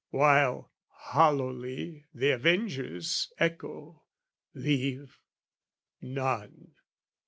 While hollowly the avengers echo "Leave? "None!